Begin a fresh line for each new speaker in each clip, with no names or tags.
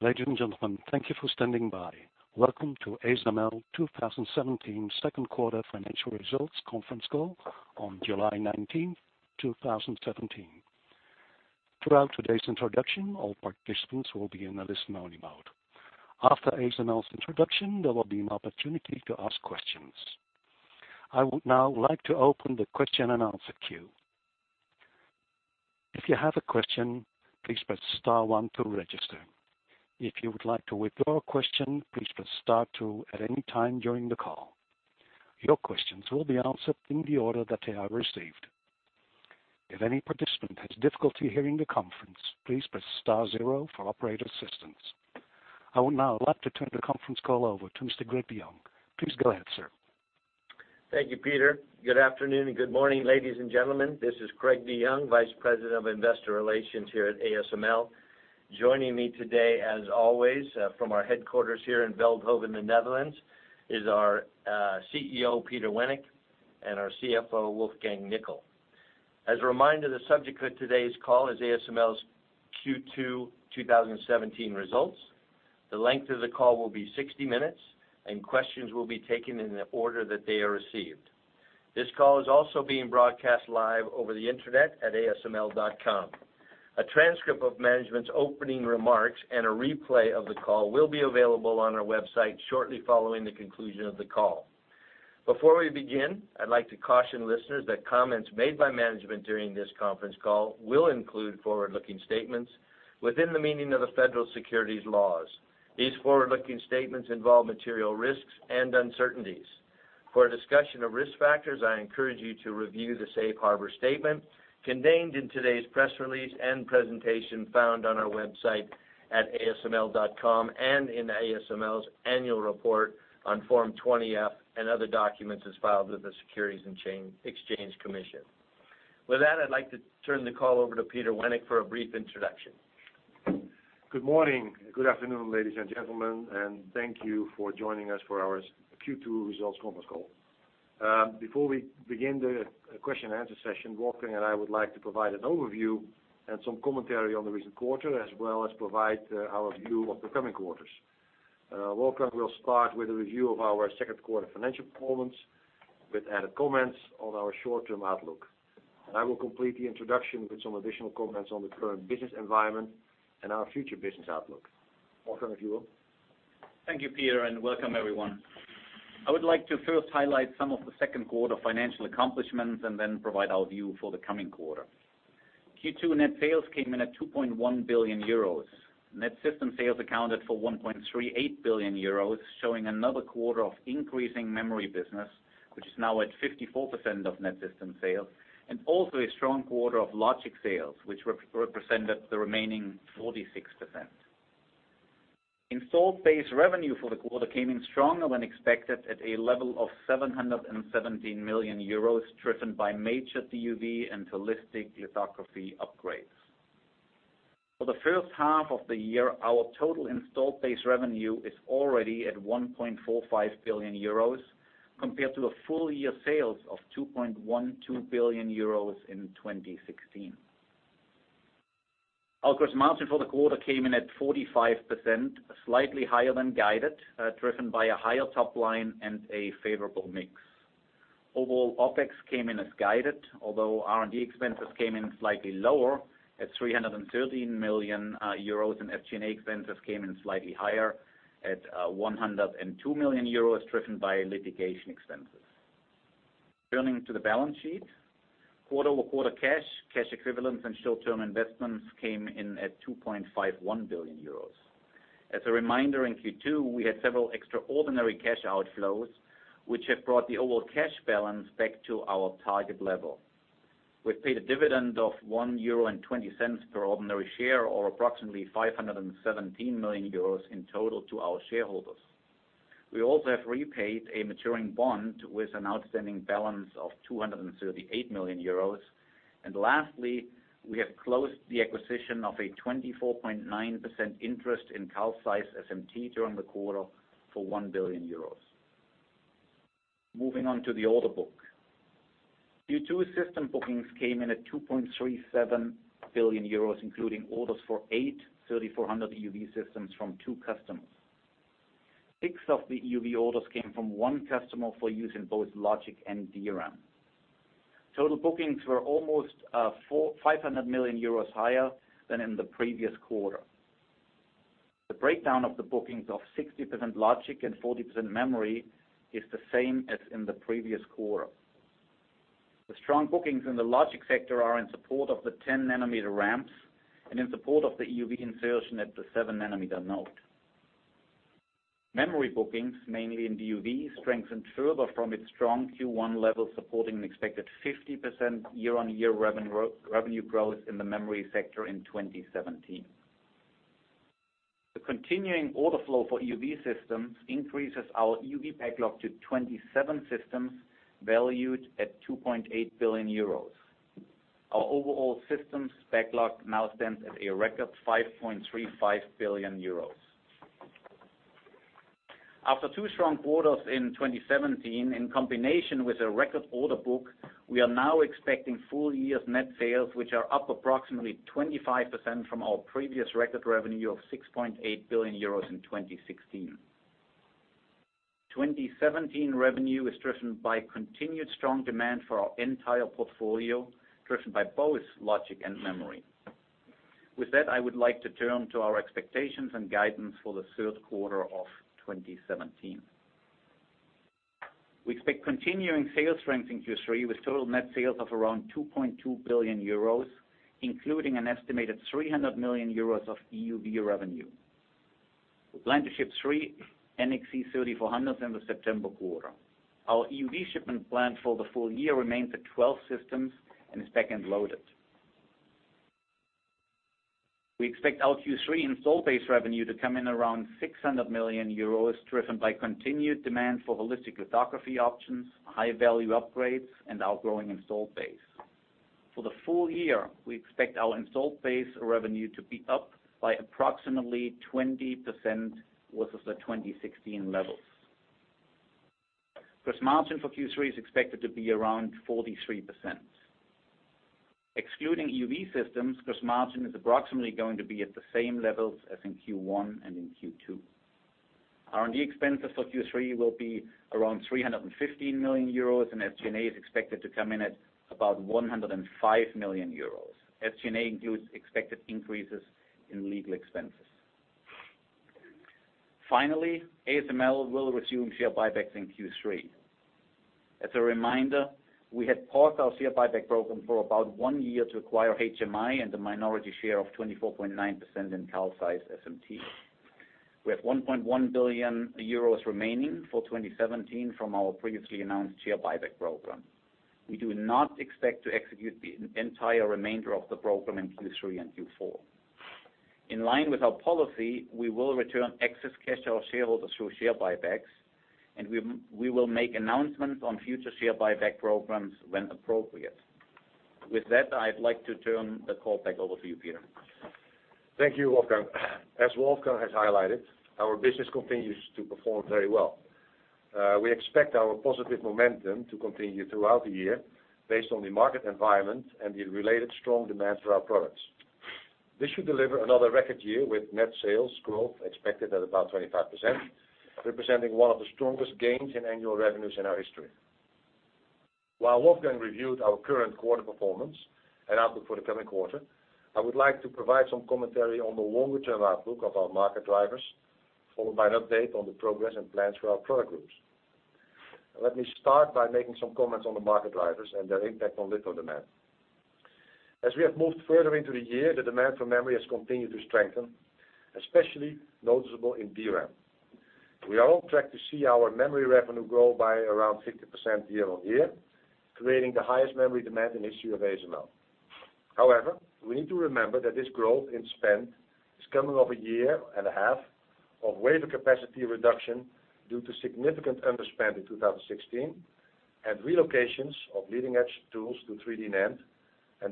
Ladies and gentlemen, thank you for standing by. Welcome to ASML 2017 second quarter financial results conference call on July 19, 2017. Throughout today's introduction, all participants will be in a listen-only mode. After ASML's introduction, there will be an opportunity to ask questions. I would now like to open the question-and-answer queue. If you have a question, please press star one to register. If you would like to withdraw a question, please press star two at any time during the call. Your questions will be answered in the order that they are received. If any participant has difficulty hearing the conference, please press star zero for operator assistance. I would now like to turn the conference call over to Mr. Craig DeYoung. Please go ahead, sir.
Thank you, Peter. Good afternoon and good morning, ladies and gentlemen. This is Craig DeYoung, Vice President of Investor Relations here at ASML. Joining me today, as always, from our headquarters here in Veldhoven, the Netherlands, is our CEO, Peter Wennink, and our CFO, Wolfgang Nickl. As a reminder, the subject of today's call is ASML's Q2 2017 results. The length of the call will be 60 minutes, and questions will be taken in the order that they are received. This call is also being broadcast live over the Internet at asml.com. A transcript of management's opening remarks and a replay of the call will be available on our website shortly following the conclusion of the call. Before we begin, I'd like to caution listeners that comments made by management during this conference call will include forward-looking statements within the meaning of the federal securities laws. These forward-looking statements involve material risks and uncertainties. For a discussion of risk factors, I encourage you to review the safe harbor statement contained in today's press release and presentation found on our website at asml.com and in ASML's Annual Report on Form 20-F and other documents as filed with the Securities and Exchange Commission. With that, I'd like to turn the call over to Peter Wennink for a brief introduction.
Good morning, good afternoon, ladies and gentlemen, thank you for joining us for our Q2 results conference call. Before we begin the question and answer session, Wolfgang and I would like to provide an overview and some commentary on the recent quarter, as well as provide our view of the coming quarters. Wolfgang will start with a review of our second quarter financial performance with added comments on our short-term outlook. I will complete the introduction with some additional comments on the current business environment and our future business outlook. Wolfgang, if you will.
Thank you, Peter, and welcome everyone. I would like to first highlight some of the second quarter financial accomplishments and then provide our view for the coming quarter. Q2 net sales came in at 2.1 billion euros. Net system sales accounted for 1.38 billion euros, showing another quarter of increasing memory business, which is now at 54% of net system sales, and also a strong quarter of logic sales, which represented the remaining 46%. Installed base revenue for the quarter came in stronger than expected at a level of 717 million euros, driven by major DUV and Holistic Lithography upgrades. For the first half of the year, our total installed base revenue is already at 1.45 billion euros compared to a full-year sales of 2.12 billion euros in 2016. Our gross margin for the quarter came in at 45%, slightly higher than guided, driven by a higher top line and a favorable mix. Overall, OpEx came in as guided, although R&D expenses came in slightly lower at 313 million euros, and SG&A expenses came in slightly higher at 102 million euros, driven by litigation expenses. Turning to the balance sheet. Quarter-over-quarter cash equivalents, and short-term investments came in at 2.51 billion euros. As a reminder, in Q2, we had several extraordinary cash outflows, which have brought the overall cash balance back to our target level. We paid a dividend of 1.20 euro per ordinary share, or approximately 517 million euros in total to our shareholders. We also have repaid a maturing bond with an outstanding balance of 238 million euros. Lastly, we have closed the acquisition of a 24.9% interest in Carl Zeiss SMT during the quarter for 1 billion euros. Moving on to the order book. Q2 system bookings came in at 2.37 billion euros, including orders for eight 3400 EUV systems from two customers. Six of the EUV orders came from one customer for use in both logic and DRAM. Total bookings were almost 500 million euros higher than in the previous quarter. The breakdown of the bookings of 60% logic and 40% memory is the same as in the previous quarter. The strong bookings in the logic sector are in support of the 10-nanometer ramps and in support of the EUV insertion at the 7-nanometer node. Memory bookings, mainly in DUV, strengthened further from its strong Q1 level, supporting an expected 50% year-on-year revenue growth in the memory sector in 2017. The continuing order flow for EUV systems increases our EUV backlog to 27 systems valued at 2.8 billion euros. Our overall systems backlog now stands at a record 5.35 billion euros. After two strong quarters in 2017, in combination with a record order book, we are now expecting full year's net sales, which are up approximately 25% from our previous record revenue of 6.8 billion euros in 2016. 2017 revenue is driven by continued strong demand for our entire portfolio, driven by both logic and memory. With that, I would like to turn to our expectations and guidance for the third quarter of 2017. We expect continuing sales strength in Q3 with total net sales of around 2.2 billion euros, including an estimated 300 million euros of EUV revenue. We plan to ship three NXE 3400 in the September quarter. Our EUV shipment plan for the full year remains at 12 systems and is back-end loaded. We expect our Q3 install base revenue to come in around 600 million euros, driven by continued demand for Holistic Lithography options, high-value upgrades, and our growing install base. For the full year, we expect our install base revenue to be up by approximately 20% versus the 2016 levels. Gross margin for Q3 is expected to be around 43%. Excluding EUV systems, gross margin is approximately going to be at the same levels as in Q1 and in Q2. R&D expenses for Q3 will be around 315 million euros, and SG&A is expected to come in at about 105 million euros. SG&A includes expected increases in legal expenses. Finally, ASML will resume share buybacks in Q3. As a reminder, we had paused our share buyback program for about one year to acquire HMI and a minority share of 24.9% in Carl Zeiss SMT. We have 1.1 billion euros remaining for 2017 from our previously announced share buyback program. We do not expect to execute the entire remainder of the program in Q3 and Q4. In line with our policy, we will return excess cash to our shareholders through share buybacks, and we will make announcements on future share buyback programs when appropriate. With that, I'd like to turn the call back over to you, Peter.
Thank you, Wolfgang. As Wolfgang has highlighted, our business continues to perform very well. We expect our positive momentum to continue throughout the year based on the market environment and the related strong demand for our products. This should deliver another record year with net sales growth expected at about 25%, representing one of the strongest gains in annual revenues in our history. While Wolfgang reviewed our current quarter performance and outlook for the coming quarter, I would like to provide some commentary on the longer-term outlook of our market drivers, followed by an update on the progress and plans for our product groups. Let me start by making some comments on the market drivers and their impact on litho demand. As we have moved further into the year, the demand for memory has continued to strengthen, especially noticeable in DRAM. We are on track to see our memory revenue grow by around 50% year-on-year, creating the highest memory demand in history of ASML. We need to remember that this growth in spend is coming off a year and a half of wafer capacity reduction due to significant underspend in 2016, and relocations of leading-edge tools to 3D NAND,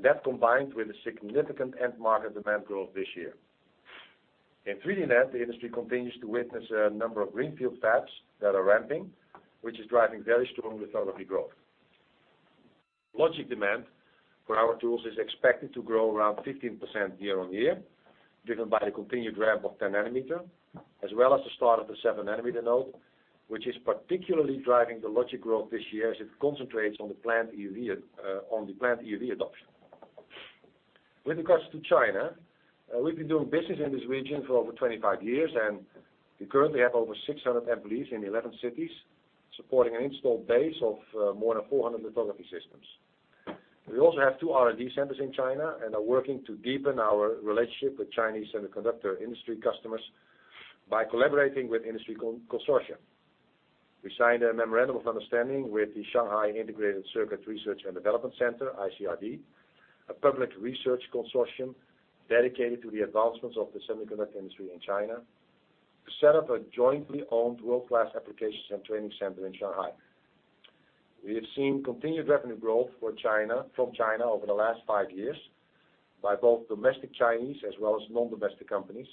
that combined with a significant end market demand growth this year. In 3D NAND, the industry continues to witness a number of greenfield fabs that are ramping, which is driving very strong lithography growth. Logic demand for our tools is expected to grow around 15% year-on-year, driven by the continued ramp of 10 nanometer, as well as the start of the 7-nanometer node, which is particularly driving the logic growth this year as it concentrates on the planned EUV adoption. With regards to China, we've been doing business in this region for over 25 years, and we currently have over 600 employees in 11 cities, supporting an installed base of more than 400 lithography systems. We also have two R&D centers in China and are working to deepen our relationship with Chinese semiconductor industry customers by collaborating with industry consortia. We signed a memorandum of understanding with the Shanghai Integrated Circuit Research and Development Center, ICRD, a public research consortium dedicated to the advancements of the semiconductor industry in China, to set up a jointly owned world-class applications and training center in Shanghai. We have seen continued revenue growth for China, from China over the last five years by both domestic Chinese as well as non-domestic companies,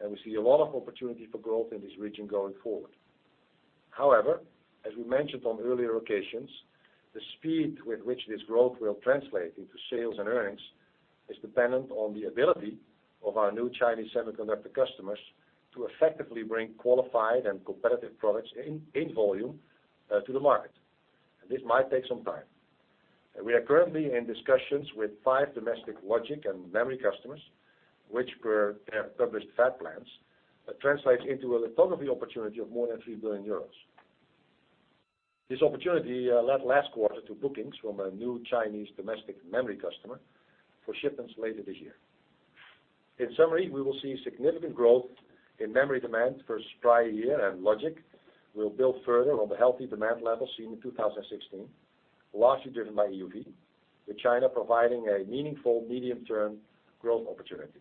and we see a lot of opportunity for growth in this region going forward. However, as we mentioned on earlier occasions, the speed with which this growth will translate into sales and earnings is dependent on the ability of our new Chinese semiconductor customers to effectively bring qualified and competitive products in volume, to the market. This might take some time. We are currently in discussions with five domestic logic and memory customers, which per their published fab plans, translates into a lithography opportunity of more than 3 billion euros. This opportunity led last quarter to bookings from a new Chinese domestic memory customer for shipments later this year. In summary, we will see significant growth in memory demand versus prior year, and logic will build further on the healthy demand levels seen in 2016, largely driven by EUV, with China providing a meaningful medium-term growth opportunity.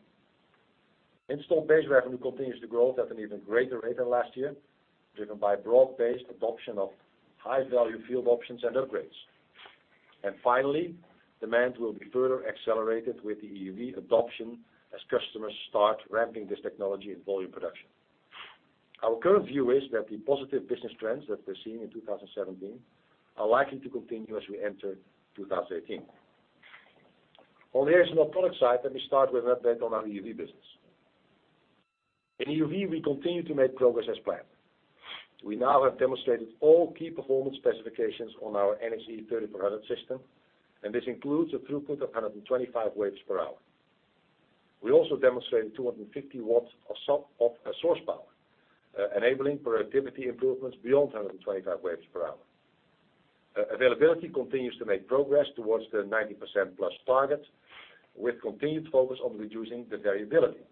Installed base revenue continues to grow at an even greater rate than last year, driven by broad-based adoption of high-value field options and upgrades. Finally, demand will be further accelerated with the EUV adoption as customers start ramping this technology in volume production. Our current view is that the positive business trends that we're seeing in 2017 are likely to continue as we enter 2018. On the ASML product side, let me start with an update on our EUV business. In EUV, we continue to make progress as planned. We now have demonstrated all key performance specifications on our NXE 3400 system. This includes a throughput of 125 wafers per hour. We also demonstrated 250 watts of source power, enabling productivity improvements beyond 125 wafers per hour. Availability continues to make progress towards the 90%+ target with continued focus on reducing the variability.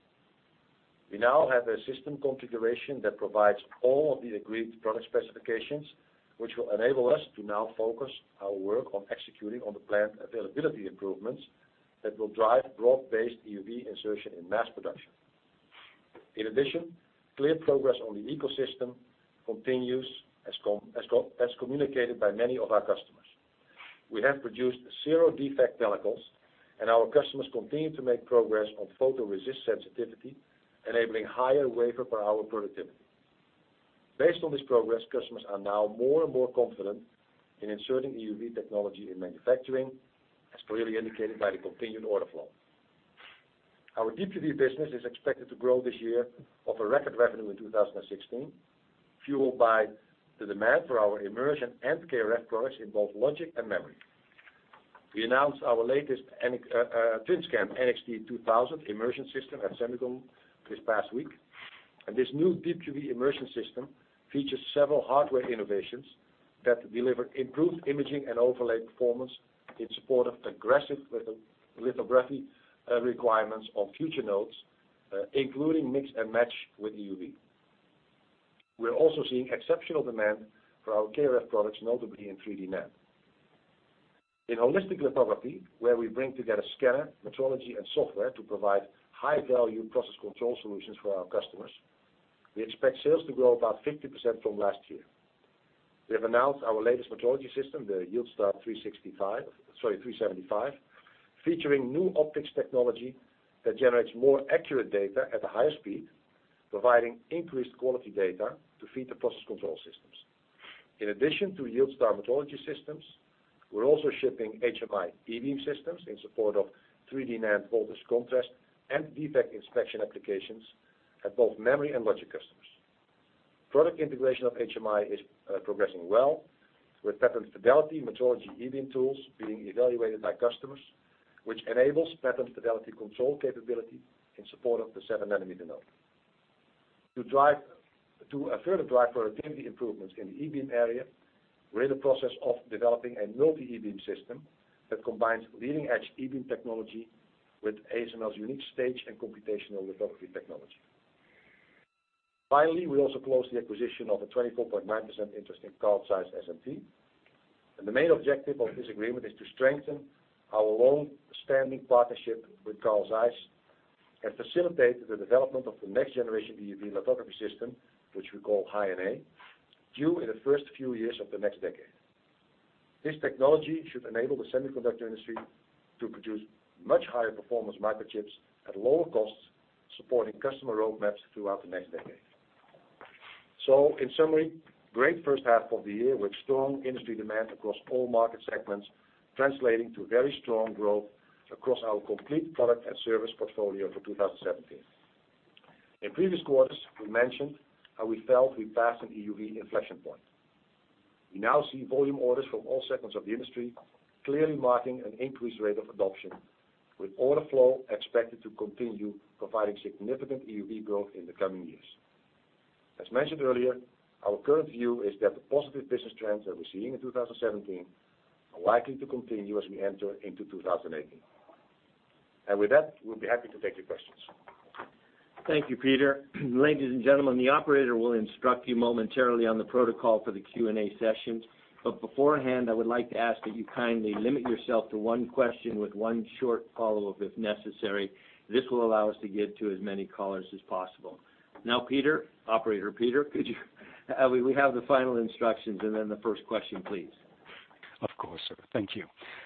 We now have a system configuration that provides all of the agreed product specifications, which will enable us to now focus our work on executing on the planned availability improvements that will drive broad-based EUV insertion in mass production. In addition, clear progress on the ecosystem continues as communicated by many of our customers. We have produced zero defect pellicles, and our customers continue to make progress on photoresist sensitivity, enabling higher wafer per hour productivity. Based on this progress, customers are now more and more confident in inserting EUV technology in manufacturing, as clearly indicated by the continued order flow. Our Deep UV business is expected to grow this year off a record revenue in 2016, fueled by the demand for our immersion and KrF products in both logic and memory. We announced our latest TWINSCAN NXT:2000i immersion system at SEMICON this past week. This new Deep UV immersion system features several hardware innovations that deliver improved imaging and overlay performance in support of aggressive lithography requirements on future nodes, including mix-and-match with EUV. We're also seeing exceptional demand for our KrF products, notably in 3D NAND. In Holistic Lithography, where we bring together scanner, metrology, and software to provide high-value process control solutions for our customers, we expect sales to grow about 50% from last year. We have announced our latest metrology system, the YieldStar 375F, featuring new optics technology that generates more accurate data at a higher speed, providing increased quality data to feed the process control systems. In addition to YieldStar metrology systems, we're also shipping HMI e-beam systems in support of 3D NAND voltage contrast and defect inspection applications at both memory and logic customers. Product integration of HMI is progressing well with pattern fidelity metrology e-beam tools being evaluated by customers, which enables pattern fidelity control capability in support of the 7-nanometer node. To further drive productivity improvements in the e-beam area, we're in the process of developing a multi-beam system that combines leading-edge e-beam technology with ASML's unique stage and computational lithography technology. Finally, we also closed the acquisition of a 24.9% interest in Carl Zeiss SMT. The main objective of this agreement is to strengthen our longstanding partnership with Carl Zeiss and facilitate the development of the next-generation EUV lithography system, which we call High NA, due in the first few years of the next decade. This technology should enable the semiconductor industry to produce much higher performance microchips at lower costs, supporting customer roadmaps throughout the next decade. In summary, great first half of the year with strong industry demand across all market segments, translating to very strong growth across our complete product and service portfolio for 2017. In previous quarters, we mentioned how we felt we passed an EUV inflection point. We now see volume orders from all segments of the industry, clearly marking an increased rate of adoption, with order flow expected to continue providing significant EUV growth in the coming years. As mentioned earlier, our current view is that the positive business trends that we're seeing in 2017 are likely to continue as we enter into 2018. With that, we'll be happy to take your questions.
Thank you, Peter. Ladies and gentlemen, the operator will instruct you momentarily on the protocol for the Q&A session. Beforehand, I would like to ask that you kindly limit yourself to one question with one short follow-up if necessary. This will allow us to get to as many callers as possible. Now, Peter, operator Peter, could you we have the final instructions and then the first question, please.
Of course, sir. Thank you.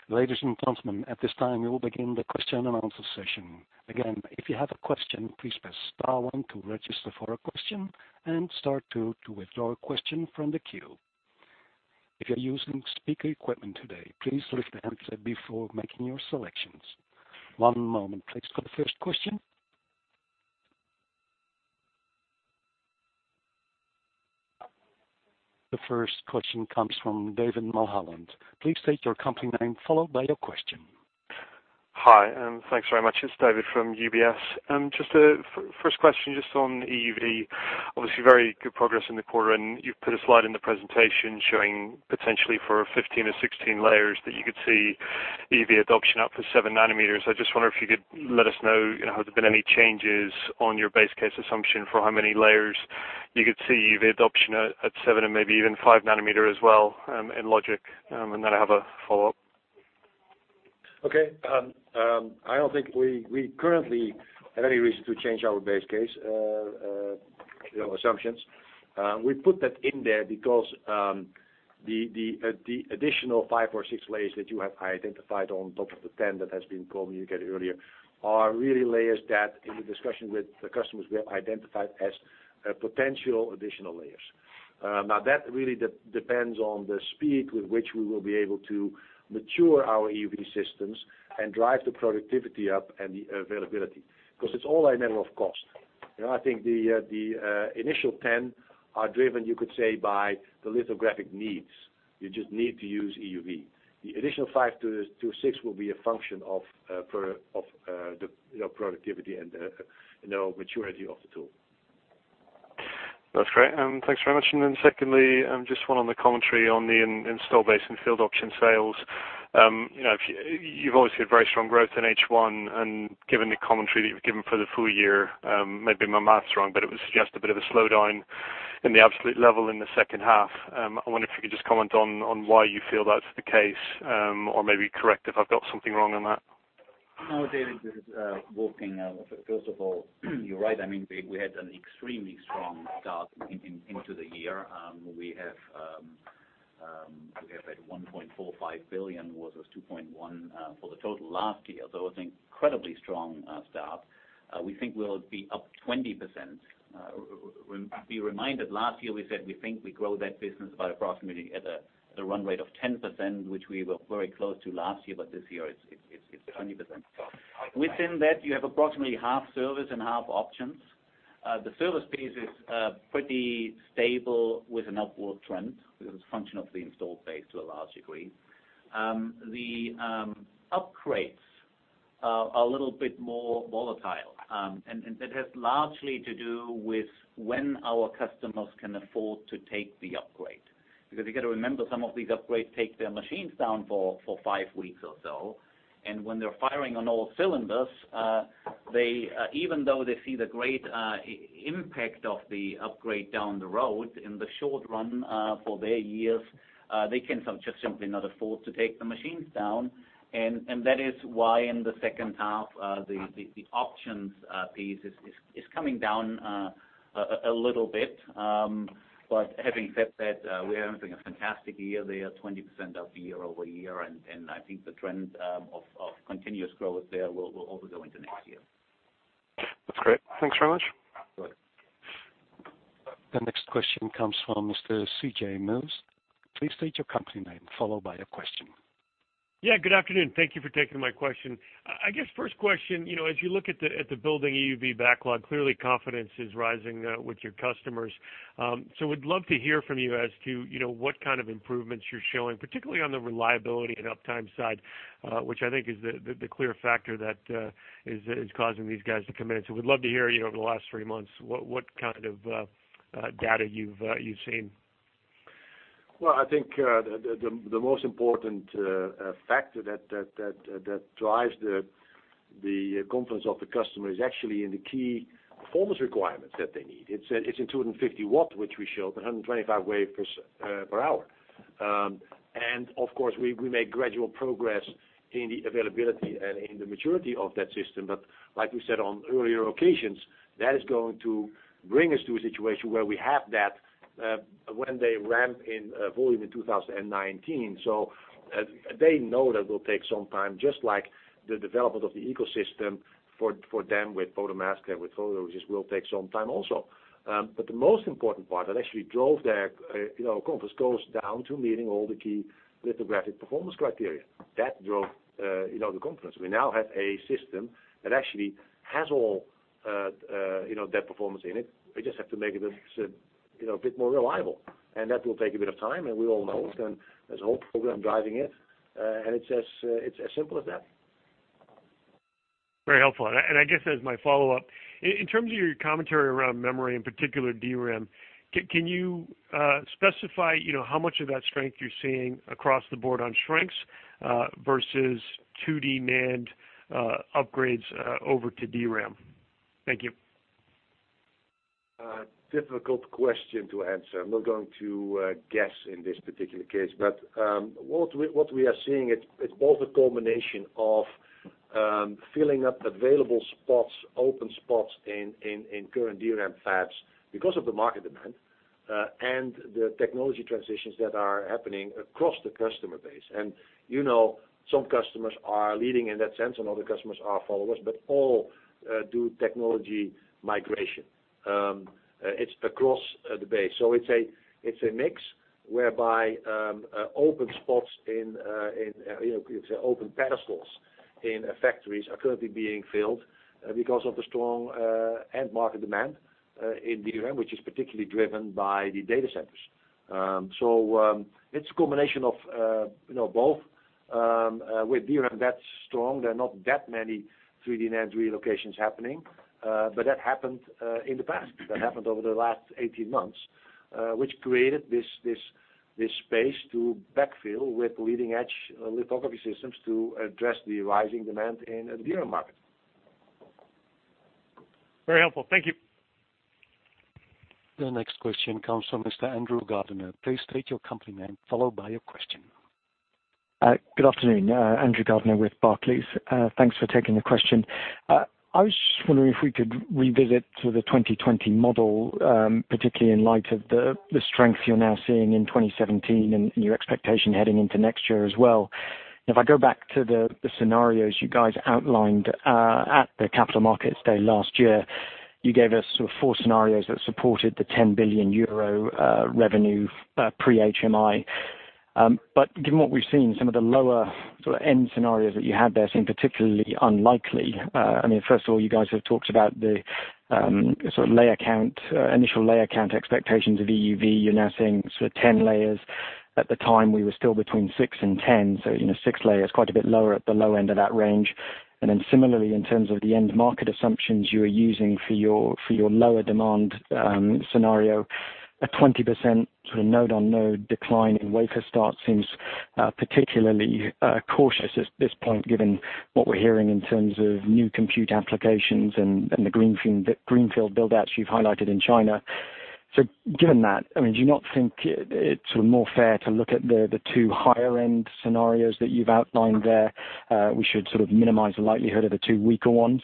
Ladies and gentlemen, at this time, we will begin the question-and-answer session. Again, if you have a question, please press star one to register for a question and star two to withdraw a question from the queue. If you're using speaker equipment today, please lift the handset before making your selections. One moment please for the first question. The first question comes from David Mulholland. Please state your company name followed by your question.
Hi, thanks very much. It's David from UBS. Just first question just on EUV. Obviously, very good progress in the quarter, and you put a slide in the presentation showing potentially for 15 or 16 layers that you could see EUV adoption out for 7 nanometers. I just wonder if you could let us know, you know, have there been any changes on your base case assumption for how many layers you could see EUV adoption at 7 and maybe even 5 nanometer as well, in logic? Then I have a follow-up.
Okay. I don't think we currently have any reason to change our base case, you know, assumptions. We put that in there because the, the additional five or six layers that you have identified on top of the 10 that has been communicated earlier are really layers that in the discussion with the customers we have identified as potential additional layers. Now, that really depends on the speed with which we will be able to mature our EUV systems and drive the productivity up and the availability. 'Cause it's all a matter of cost. You know, I think the initial 10 are driven, you could say, by the lithographic needs. You just need to use EUV. The additional five to six will be a function of the, you know, productivity and, you know, maturity of the tool.
That's great. Thanks very much. Secondly, just one on the commentary on the installed base and field option sales. You know, you've obviously had very strong growth in H1, and given the commentary that you've given for the full year, maybe my math's wrong, but it was just a bit of a slowdown in the absolute level in the second half. I wonder if you could just comment on why you feel that's the case, or maybe correct if I've got something wrong on that.
No, David, this is Wolfgang. First of all, you're right. I mean, we had an extremely strong start into the year. We have had 1.45 billion versus 2.1 billion for the total last year. It was an incredibly strong start. We think we'll be up 20%. Be reminded last year we said we think we grow that business by approximately at a, the run rate of 10%, which we were very close to last year, but this year it's 20%. Within that, you have approximately half service and half options. The service piece is pretty stable with an upward trend because it's a function of the installed base to a large degree. The upgrades are a little bit more volatile. That has largely to do with when our customers can afford to take the upgrade. Because you got to remember, some of these upgrades take their machines down for five weeks or so. When they're firing on all cylinders, they, even though they see the great impact of the upgrade down the road, in the short run, for their years, they can simply not afford to take the machines down. That is why in the second half, the options piece is coming down a little bit. Having said that, we are having a fantastic year there, 20% up year-over-year. I think the trend of continuous growth there will also go into next year.
That's great. Thanks very much.
Good.
The next question comes from Mr. C.J. Muse. Please state your company name, followed by your question.
Yeah, good afternoon. Thank you for taking my question. I guess first question, you know, as you look at the building EUV backlog, clearly confidence is rising with your customers. We'd love to hear from you as to, you know, what kind of improvements you're showing, particularly on the reliability and uptime side, which I think is the clear factor that is causing these guys to come in. We'd love to hear, you know, over the last three months, what kind of data you've seen.
I think the most important factor that drives the confidence of the customer is actually in the key performance requirements that they need. It's in 250 W, which we showed, 125 wafers per hour. Of course, we make gradual progress in the availability and in the maturity of that system. Like we said on earlier occasions, that is going to bring us to a situation where we have that when they ramp in volume in 2019. They know that will take some time, just like the development of the ecosystem for them with photomask and with photoresist will take some time also. The most important part that actually drove their, you know, confidence goes down to meeting all the key lithographic performance criteria. That drove, you know, the confidence. We now have a system that actually has all, you know, that performance in it. We just have to make it, you know, a bit more reliable. That will take a bit of time, and we all know it. There's a whole program driving it. It's as simple as that.
Very helpful. I guess as my follow-up, in terms of your commentary around memory, in particular DRAM, can you specify, you know, how much of that strength you're seeing across the board on shrinks versus 2D NAND upgrades over to DRAM? Thank you.
Difficult question to answer. I'm not going to guess in this particular case. What we are seeing, it's both a combination of filling up available spots, open spots in current DRAM fabs because of the market demand and the technology transitions that are happening across the customer base. You know, some customers are leading in that sense, and other customers are followers, but all do technology migration. It's across the base. It's a mix whereby open spots in, you know, open pedestals in factories are currently being filled because of the strong end market demand in DRAM, which is particularly driven by the data centers. It's a combination of, you know, both. With DRAM that strong, there are not that many 3D NAND relocations happening. That happened in the past. That happened over the last 18 months, which created this space to backfill with leading-edge lithography systems to address the rising demand in the DRAM market.
Very helpful. Thank you.
The next question comes from Mr. Andrew Gardiner. Please state your company name, followed by your question.
Good afternoon. Andrew Gardiner with Barclays. Thanks for taking the question. I was just wondering if we could revisit sort of the 2020 model, particularly in light of the strength you're now seeing in 2017 and your expectation heading into next year as well. If I go back to the scenarios you guys outlined at the capital markets day last year, you gave us sort of four scenarios that supported the 10 billion euro revenue pre-HMI. Given what we've seen, some of the lower sort of end scenarios that you had there seem particularly unlikely. I mean, first of all, you guys have talked about the sort of layer count initial layer count expectations of EUV. You're now seeing sort of 10 layers. At the time, we were still between six and 10, so you know, six layers, quite a bit lower at the low end of that range. Similarly, in terms of the end market assumptions you are using for your lower demand scenario, a 20% sort of node-on-node decline in wafer start seems particularly cautious at this point, given what we're hearing in terms of new compute applications and the greenfield build-outs you've highlighted in China. Given that, I mean, do you not think it's more fair to look at the two higher-end scenarios that you've outlined there? We should sort of minimize the likelihood of the two weaker ones.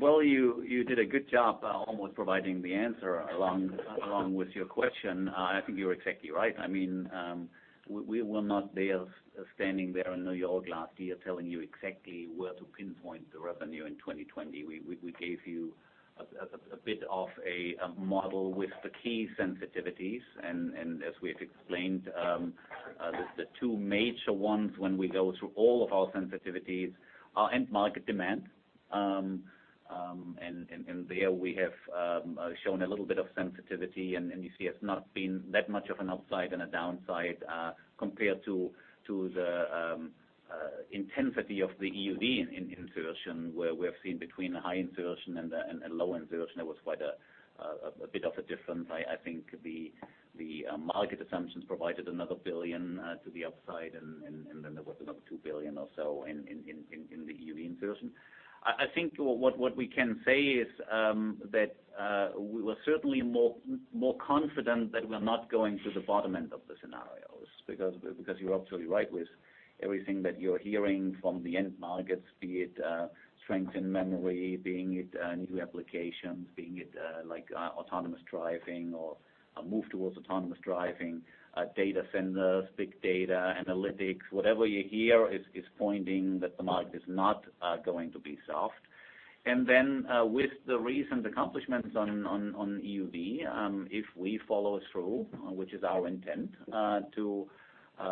Well, you did a good job almost providing the answer along with your question. I think you're exactly right. I mean, we were not there standing there in New York last year telling you exactly where to pinpoint the revenue in 2020. We gave you a bit of a model with the key sensitivities and as we have explained, the two major ones when we go through all of our sensitivities are end market demand. There we have shown a little bit of sensitivity, and you see it's not been that much of an upside and a downside compared to the intensity of the EUV insertion, where we have seen between a high insertion and a low insertion there was quite a bit of a difference. I think the market assumptions provided 1 billion to the upside and then there was another 2 billion or so in the EUV insertion. I think what we can say is that we were certainly more confident that we're not going to the bottom end of the scenarios because you're absolutely right with everything that you're hearing from the end markets, be it strength in memory, being it new applications, being it like autonomous driving or a move towards autonomous driving, data centers, big data, analytics. Whatever you hear is pointing that the market is not going to be soft. With the recent accomplishments on EUV, if we follow through, which is our intent, to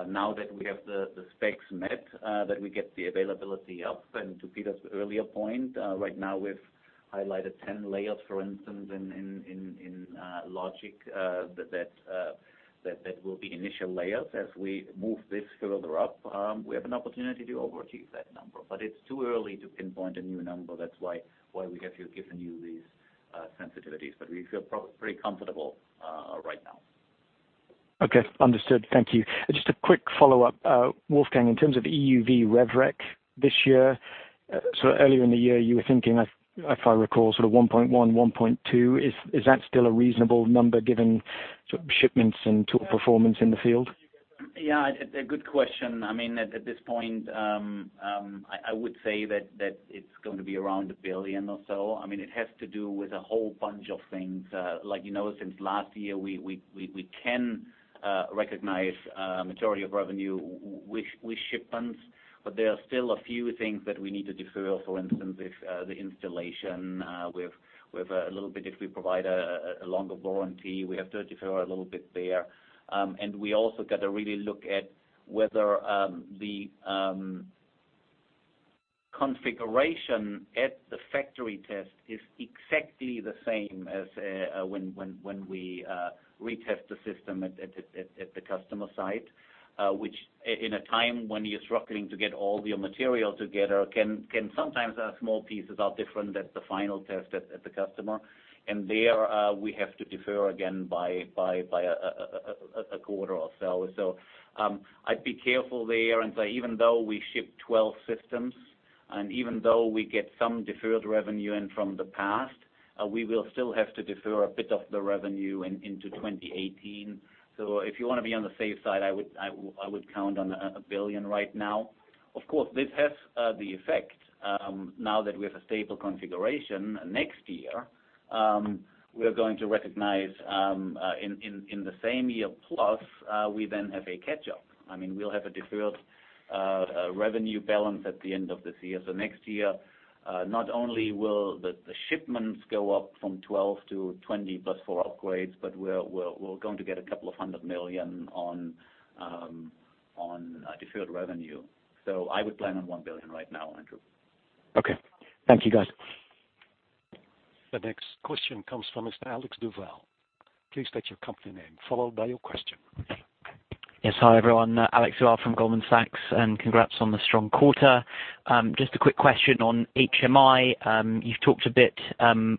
now that we have the specs met, that we get the availability up. To Peter's earlier point, right now we've highlighted ten layers, for instance, in logic, that will be initial layers. As we move this further up, we have an opportunity to overachieve that number, but it's too early to pinpoint a new number. That's why we have given you these sensitivities. We feel pretty comfortable right now.
Okay. Understood. Thank you. Just a quick follow-up. Wolfgang, in terms of EUV Rev Rec this year, so earlier in the year, you were thinking, if I recall, sort of 1.1.2. Is that still a reasonable number given sort of shipments and tool performance in the field?
Yeah. A good question. I mean, at this point, I would say that it's going to be around 1 billion or so. I mean, it has to do with a whole bunch of things. like, you know, since last year, we can recognize majority of revenue with shipments, but there are still a few things that we need to defer. For instance, if the installation with a little bit if we provide a longer warranty, we have to defer a little bit there. We also got to really look at whether the configuration at the factory test is exactly the same as when we retest the system at the customer site. Which in a time when you're struggling to get all your material together can sometimes a small pieces are different at the final test at the customer. there we have to defer again by a quarter or so. I'd be careful there and say even though we ship 12 systems and even though we get some deferred revenue in from the past we will still have to defer a bit of the revenue in into 2018. if you want to be on the safe side I would count on a billion right now. Of course this has the effect now that we have a stable configuration next year we are going to recognize in the same year plus we then have a catch-up. I mean, we'll have a deferred revenue balance at the end of this year. Next year, not only will the shipments go up from 12 to 20+ for upgrades, but we're going to get 200 million on deferred revenue. I would plan on 1 billion right now, Andrew.
Okay. Thank you, guys.
The next question comes from Mr. Alex Duval. Please state your company name, followed by your question.
Yes. Hi, everyone. Alex Duval from Goldman Sachs, and congrats on the strong quarter. Just a quick question on HMI. You've talked a bit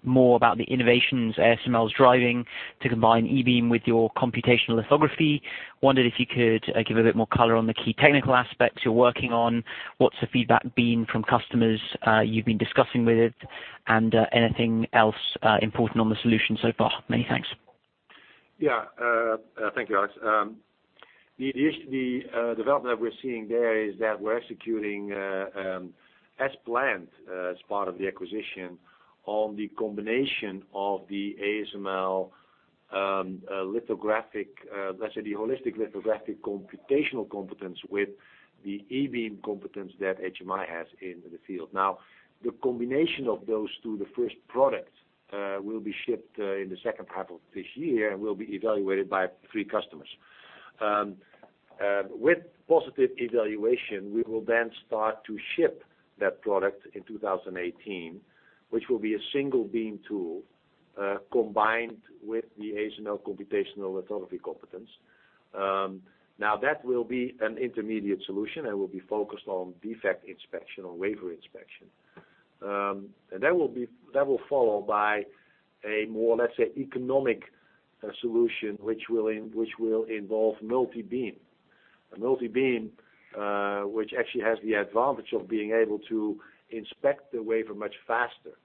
more about the innovations ASML is driving to combine E-beam with your computational lithography. Wondered if you could give a bit more color on the key technical aspects you're working on. What's the feedback been from customers you've been discussing with, and anything else important on the solution so far? Many thanks.
Yeah. Thank you, Alex. The development we're seeing there is that we're executing as planned as part of the acquisition on the combination of the ASML lithographic, let's say the holistic lithographic computational competence with the e-beam competence that HMI has in the field. The combination of those two, the first product will be shipped in the second half of this year and will be evaluated by three customers. With positive evaluation, we will then start to ship that product in 2018, which will be a single beam tool combined with the ASML computational lithography competence. Now that will be an intermediate solution and will be focused on defect inspection or wafer inspection. That will follow by a more, let's say, economic, solution, which will involve multi-beam. A multi-beam, which actually has the advantage of being able to inspect the wafer much faster,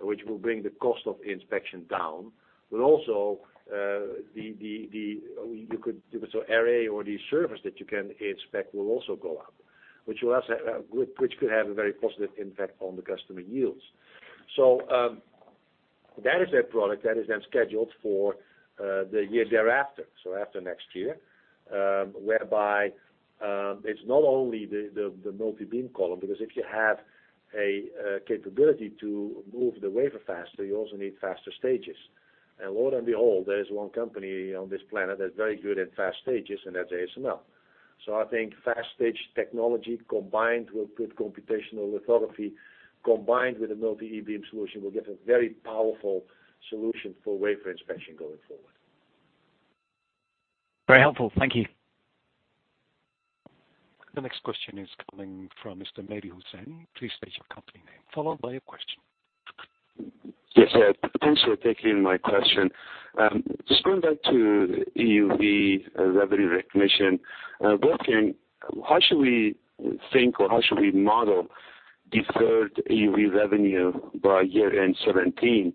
which will bring the cost of inspection down. Area or the surface that you can inspect will also go up, which will also have, which could have a very positive impact on the customer yields. That is a product that is then scheduled for, the year thereafter, so after next year. Whereby, it's not only the multi-beam column, because if you have a, capability to move the wafer faster, you also need faster stages. Lo and behold, there is one company on this planet that's very good at fast stages, and that's ASML. I think fast stage technology combined with good computational lithography, combined with a multi e-beam solution will give a very powerful solution for wafer inspection going forward.
Very helpful. Thank you.
The next question is coming from Mr. Mehdi Hosseini. Please state your company name, followed by your question.
Yes, yeah. Thanks for taking my question. Just going back to EUV, revenue recognition, booking, how should we think, or how should we model deferred EUV revenue by year-end 2017?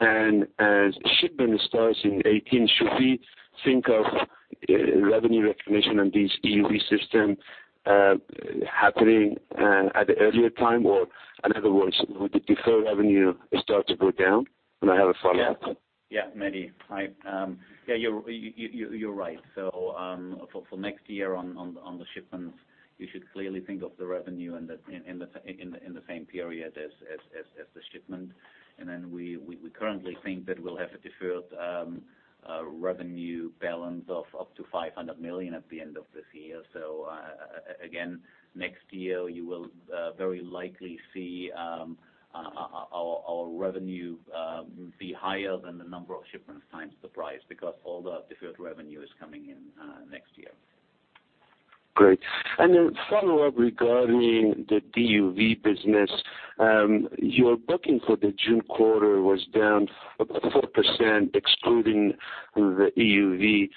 As shipment starts in 2018, should we think of, revenue recognition on these EUV system, happening, at a earlier time? In other words, would the deferred revenue start to go down? I have a follow-up.
Yeah. Yeah, Mehdi. Hi. Yeah, you're right. For next year on the shipments, you should clearly think of the revenue in the same period as the shipment. Then we currently think that we'll have a deferred revenue balance of up to 500 million at the end of this year. Again, next year you will very likely see our revenue be higher than the number of shipments times the price, because all the deferred revenue is coming in next year.
Great. Then follow-up regarding the DUV business. Your booking for the June quarter was down about 4% excluding the EUV.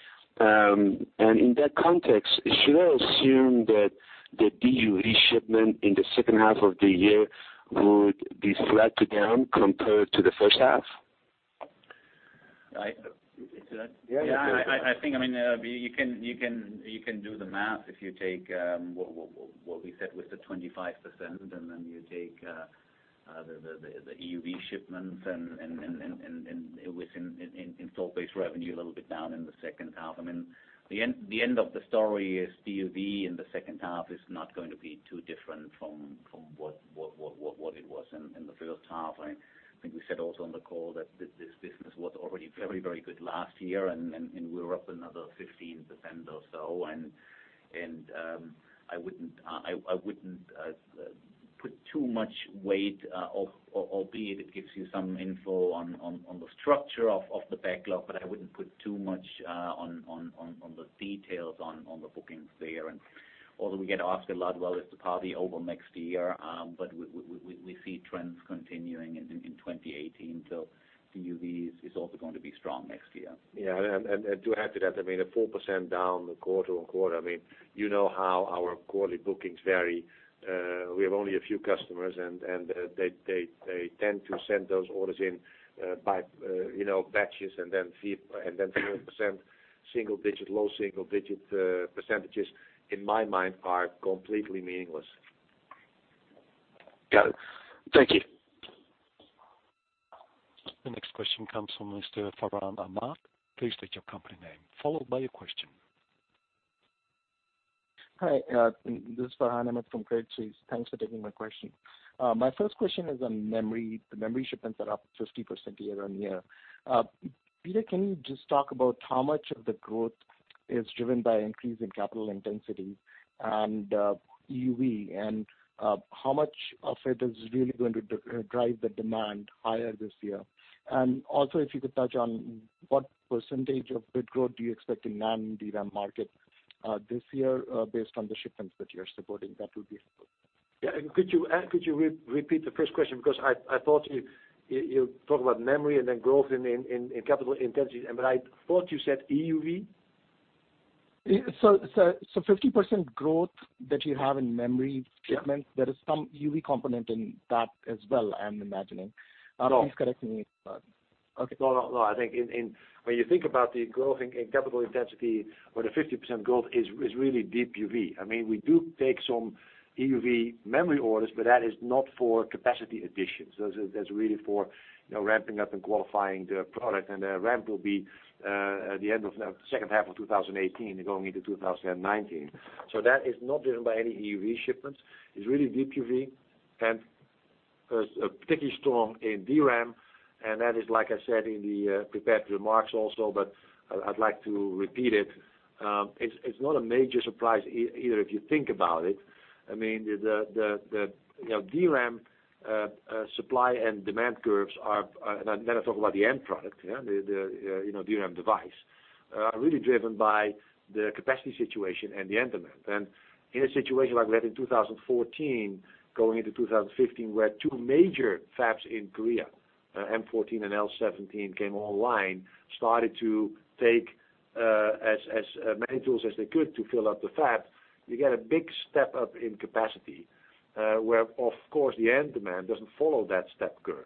In that context, should I assume that the DUV shipment in the second half of the year would be flat to down compared to the first half?
Yeah.
Yeah. I think, I mean, you can do the math. If you take what we said with the 25%, and then you take the EUV shipments and within install base revenue a little bit down in the second half. I mean, the end of the story is DUV in the second half is not going to be too different from what it was in the first half. I think we said also on the call that this business was already very good last year and we're up another 15% or so. I wouldn't put too much weight, albeit it gives you some info on the structure of the backlog, but I wouldn't put too much on the details on the bookings there. Although we get asked a lot, well, is the party over next year? We see trends continuing in 2018. DUV is also going to be strong next year.
Yeah. To add to that, I mean, a 4% down quarter-over-quarter, I mean, you know how our quarterly bookings vary. We have only a few customers and they tend to send those orders in by, you know, batches and then few percent, low single-digit percentages, in my mind are completely meaningless.
Got it. Thank you.
The next question comes from Mr. Farhan Ahmad. Please state your company name, followed by your question.
Hi, this is Farhan Ahmad from Credit Suisse. Thanks for taking my question. My first question is on memory. The memory shipments are up 50% year-over-year. Peter, can you just talk about how much of the growth is driven by increase in capital intensity and EUV? How much of it is really going to drive the demand higher this year? Also, if you could touch on what % of bit growth do you expect in NAND DRAM market this year based on the shipments that you're supporting? That would be helpful.
Yeah. Could you re-repeat the first question? Because I thought you talk about memory and then growth in capital intensity. I thought you said EUV?
50% growth that you have in memory-
Yeah.
Shipment, there is some EUV component in that as well, I'm imagining.
No.
Please correct me if I'm... Okay.
No. I think when you think about the growth in capital intensity or the 50% growth is really Deep UV. I mean, we do take some EUV memory orders, but that is not for capacity additions. That's really for, you know, ramping up and qualifying the product. The ramp will be at the end of the second half of 2018 going into 2019. That is not driven by any EUV shipments. It's really Deep UV and a particularly strong in DRAM. That is, like I said in the prepared remarks also, but I'd like to repeat it. It's not a major surprise either if you think about it. I mean, the, you know, DRAM supply and demand curves are. I talk about the end product, yeah? The, you know, DRAM device, are really driven by the capacity situation and the end demand. In a situation like we had in 2014 going into 2015, where two major fabs in Korea, M14 and L17 came online, started to take, as many tools as they could to fill up the fab. You get a big step up in capacity, where of course the end demand doesn't follow that step curve.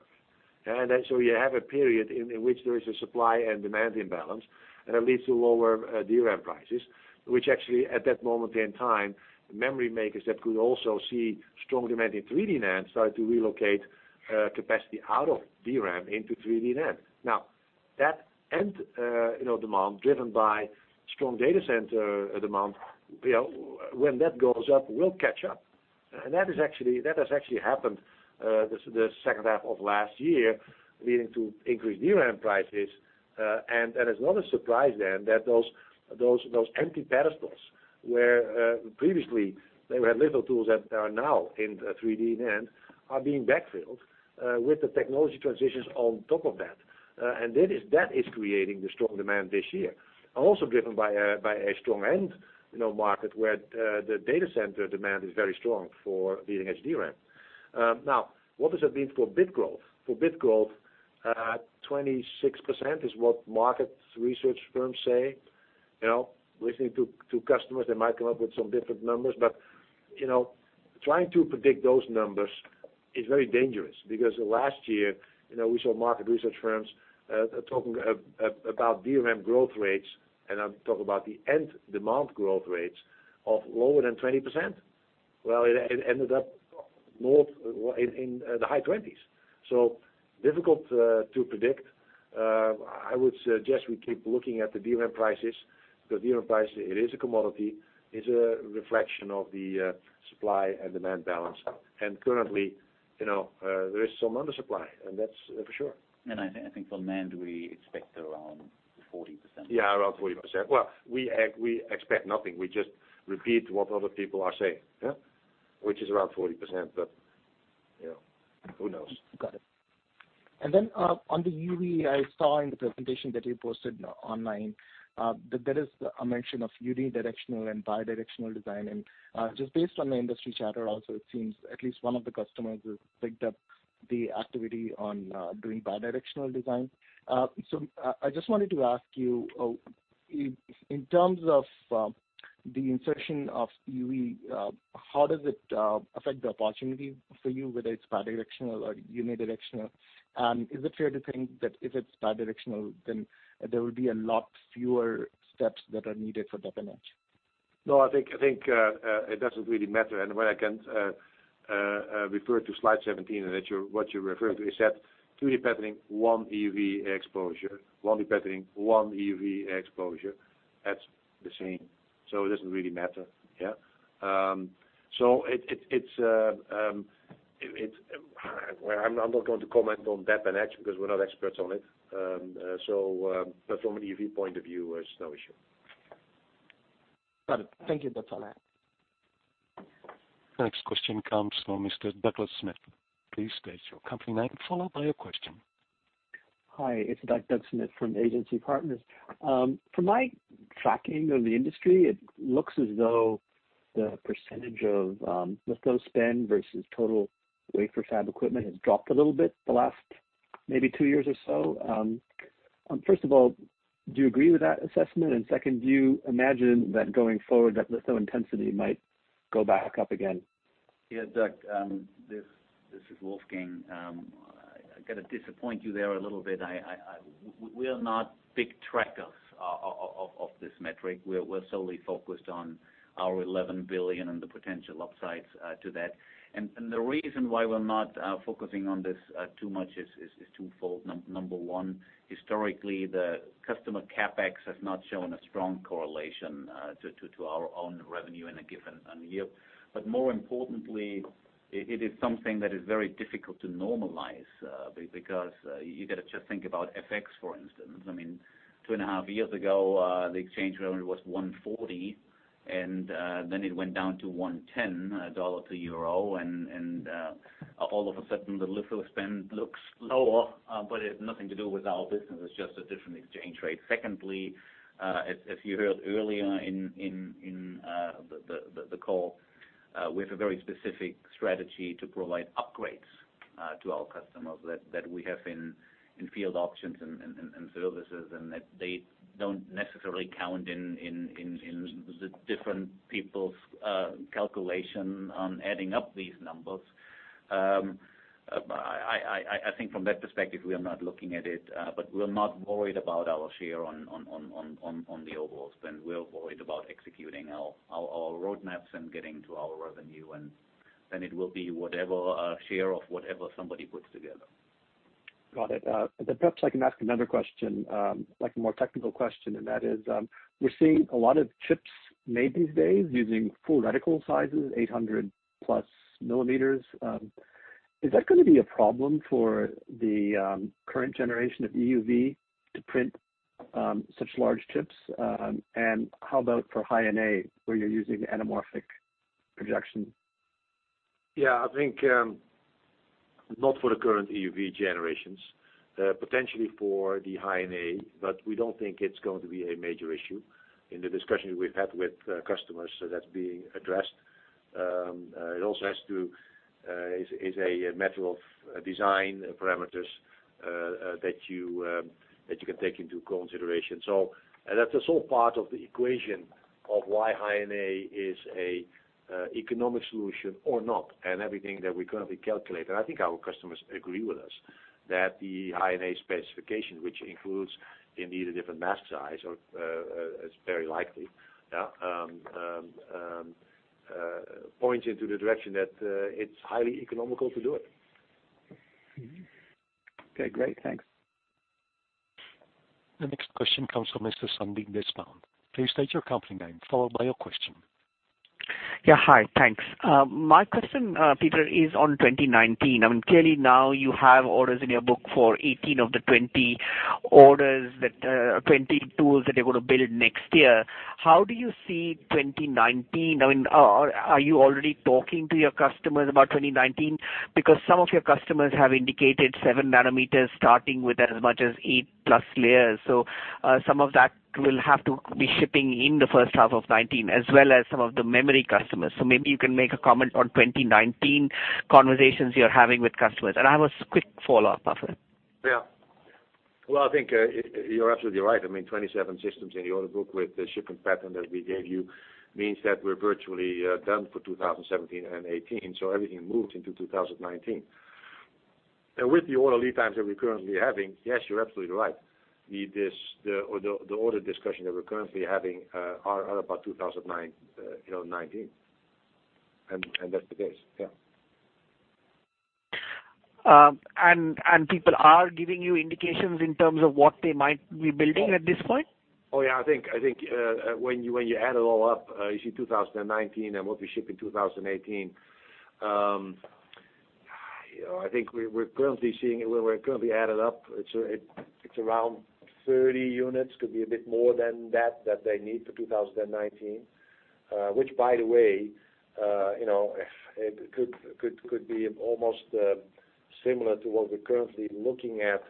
You have a period in which there is a supply and demand imbalance, and it leads to lower DRAM prices, which actually at that moment in time, memory makers that could also see strong demand in 3D NAND started to relocate capacity out of DRAM into 3D NAND. Now, that end, you know, demand driven by strong data center demand, you know, when that goes up, will catch up. That has actually happened the second half of last year, leading to increased DRAM prices. That is not a surprise then that those empty pedestals where previously there were little tools that are now in the 3D NAND are being backfilled with the technology transitions on top of that. That is creating the strong demand this year. Also driven by a strong end, you know, market where the data center demand is very strong for leading-edge DRAM. Now, what does that mean for bit growth? For bit growth, 26% is what market research firms say. You know, listening to customers, they might come up with some different numbers. You know, trying to predict those numbers is very dangerous because last year, you know, we saw market research firms talking about DRAM growth rates, and I'm talking about the end demand growth rates of lower than 20%. Well, it ended up more, well, in the high twenties. Difficult to predict. I would suggest we keep looking at the DRAM prices. The DRAM price, it is a commodity, is a reflection of the supply and demand balance. Currently, you know, there is some under supply, and that's for sure.
I think for NAND, we expect around 40%.
Yeah, around 40%. Well, we expect nothing. We just repeat what other people are saying, yeah? Which is around 40%. You know, who knows?
Got it. On the EUV, I saw in the presentation that you posted online that there is a mention of unidirectional and bidirectional design. Just based on the industry chatter also, it seems at least one of the customers has picked up the activity on doing bidirectional design. I just wanted to ask you in terms of the insertion of EUV how does it affect the opportunity for you, whether it's bidirectional or unidirectional? Is it fair to think that if it's bidirectional, then there will be a lot fewer steps that are needed for deposition and etch?
No, I think it doesn't really matter. When I can refer to slide 17 and that you're what you're referring to is that 3D patterning, one EUV exposure. One patterning, one EUV exposure. That's the same. It doesn't really matter, yeah? Well, I'm not going to comment on deposition and etch because we're not experts on it. From an EUV point of view, it's no issue.
Got it. Thank you. That's all I had.
Next question comes from Mr. Douglas Smith. Please state your company name followed by your question.
Hi, it's Doug Smith from Agency Partners. From my tracking of the industry, it looks as though the percentage of litho spend versus total wafer fab equipment has dropped a little bit the last maybe two years or so. First of all, do you agree with that assessment? Second, do you imagine that going forward that litho intensity might go back up again?
Yeah, Doug, this is Wolfgang. I gotta disappoint you there a little bit. We are not big trackers of this metric. We're solely focused on our 11 billion and the potential upsides to that. The reason why we're not focusing on this too much is twofold. Number one, historically, the customer CapEx has not shown a strong correlation to our own revenue in a given year. But more importantly, it is something that is very difficult to normalize because you gotta just think about FX, for instance. I mean, two and a half years ago, the exchange rate only was 1.40, then it went down to 1.10 dollar to euro, all of a sudden, the litho spend looks lower, but it's nothing to do with our business. It's just a different exchange rate. Secondly, as you heard earlier in the call, we have a very specific strategy to provide upgrades to our customers that we have in field options and services, and that they don't necessarily count in the different people's calculation on adding up these numbers. I think from that perspective, we are not looking at it. We're not worried about our share on the overalls. We're worried about executing our roadmaps and getting to our revenue. Then it will be whatever share of whatever somebody puts together.
Got it. Perhaps I can ask another question, like a more technical question, and that is, we're seeing a lot of chips made these days using full reticle sizes, 800 plus millimeters. Is that gonna be a problem for the current generation of EUV to print such large chips? How about for High-NA where you're using anamorphic projection?
Yeah, I think not for the current EUV generations. Potentially for the High-NA, but we don't think it's going to be a major issue. In the discussions we've had with customers, so that's being addressed. It also is a matter of design parameters that you can take into consideration. That's all part of the equation of why High-NA is a economic solution or not, and everything that we currently calculate. I think our customers agree with us that the High-NA specification, which includes indeed a different mask size or it's very likely points into the direction that it's highly economical to do it.
Mm-hmm. Okay, great. Thanks.
The next question comes from Mr. Sandeep Deshpande. Please state your company name followed by your question.
Yeah, hi. Thanks. My question, Peter, is on 2019. I mean, clearly now you have orders in your book for 18 of the 20 tools that you're going to build next year. How do you see 2019? I mean, are you already talking to your customers about 2019? Because some of your customers have indicated seven nanometers, starting with as much as eight plus layers. Some of that will have to be shipping in the first half of 2019, as well as some of the memory customers. Maybe you can make a comment on 2019 conversations you're having with customers. I have a quick follow-up after.
Yeah. Well, I think, you're absolutely right. I mean, 27 systems in the order book with the shipping pattern that we gave you means that we're virtually done for 2017 and 2018, so everything moves into 2019. With the order lead times that we're currently having, yes, you're absolutely right. The order discussion that we're currently having are about 2009, you know, 19. That's the case. Yeah.
People are giving you indications in terms of what they might be building at this point?
Oh, yeah. I think when you add it all up, you see 2019 and what we ship in 2018, you know, I think we're currently seeing it. We're currently added up. It's around 30 units. Could be a bit more than that they need for 2019. Which by the way, you know, it could be almost similar to what we're currently looking at,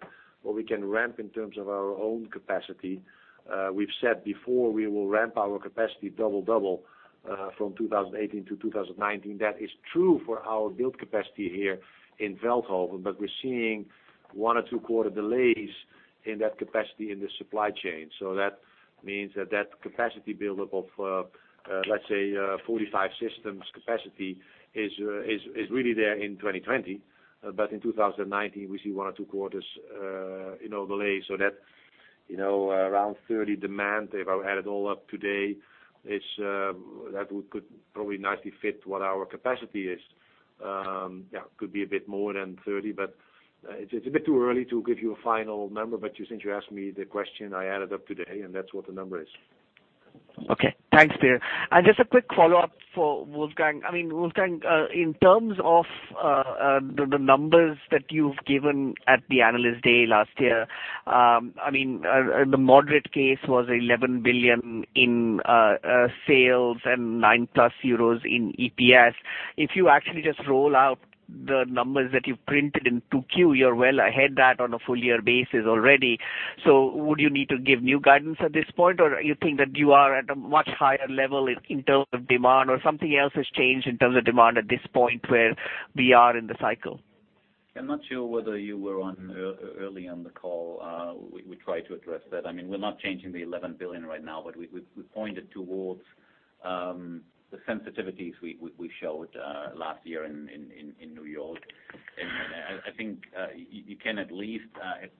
what we can ramp in terms of our own capacity. We've said before we will ramp our capacity double from 2018 to 2019. That is true for our build capacity here in Veldhoven, but we're seeing one or two quarter delays in that capacity in the supply chain. That means that capacity buildup of, let's say, 45 systems capacity is really there in 2020. In 2019, we see one or two quarters, you know, delay. That, you know, around 30 demand, if I add it all up today, could probably nicely fit what our capacity is. Yeah, could be a bit more than 30, but it's a bit too early to give you a final number. You, since you asked me the question, I added up today, and that's what the number is.
Okay. Thanks, Peter. Just a quick follow-up for Wolfgang. I mean, Wolfgang, in terms of the numbers that you've given at the Analyst Day last year, I mean, the moderate case was 11 billion in sales and 9 euros plus in EPS. If you actually just roll out the numbers that you've printed in 2Q, you're well ahead that on a full-year basis already. Would you need to give new guidance at this point, or you think that you are at a much higher level in terms of demand or something else has changed in terms of demand at this point where we are in the cycle?
I'm not sure whether you were on early on the call. We tried to address that. I mean, we're not changing the 11 billion right now, but we pointed towards the sensitivities we showed last year in New York. I think you can at least at